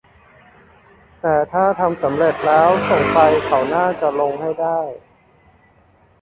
แต่ถ้าทำเสร็จแล้วส่งไปเขาน่าจะลงให้ได้